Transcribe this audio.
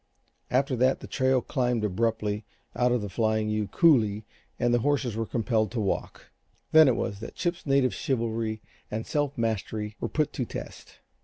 After that the trail climbed abruptly out of Flying U coulee, and the horses were compelled to walk. Then it was that Chip's native chivalry and self mastery were put to test.